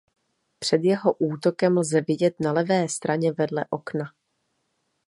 Před jeho útokem lze vidět na levé straně vedle okna.